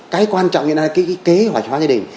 cái quan trọng hiện nay cái kế hoạch hóa gia đình